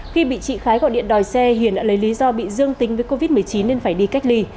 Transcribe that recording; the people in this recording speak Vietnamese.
khi bị chị khái gọi điện đòi xe hiền đã lấy lý do bị dương tính với covid một mươi chín nên phải đi cách ly